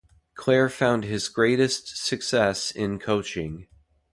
Clair found his greatest success in coaching.